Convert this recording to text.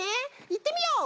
いってみよう！